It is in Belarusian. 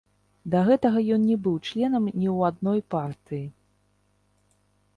Да гэтага ён не быў членам ні ў адной партыі.